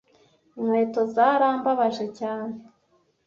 Inkweto zarambabaje cyane